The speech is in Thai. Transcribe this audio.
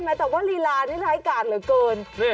แต่ว่าลีลานี่ร้ายกาดเหลือเกิน